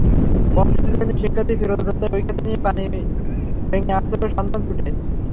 পঞ্চম শ্রেণির শিক্ষার্থী ফিরোজা তাই বইখাতা নিয়ে পানি ভেঙে আশ্রয়ের সন্ধানে ছুটেছে।